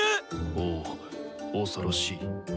おぉ恐ろしい。